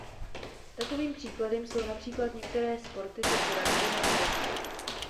Takovým příkladem jsou například některé sporty typu ragby nebo box.